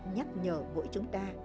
nhắc nhở mỗi chúng ta